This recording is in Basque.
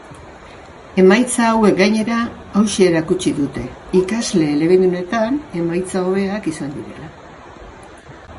Emaitza hauek gainera, hauxe erakutsi dute ikasle elebidunetan emaitza hobeak izan direla.